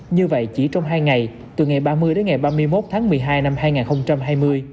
như vậy chỉ trong hai ngày từ ngày ba mươi đến ngày ba mươi một tháng một mươi hai năm hai nghìn hai mươi